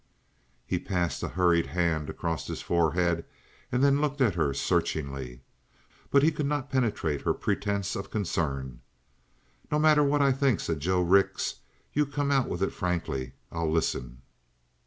He passed a hurried hand across his forehead and then looked at her searchingly. But he could not penetrate her pretense of concern. "No matter what I think," said Joe Rix, "you come out with it frankly. I'll listen."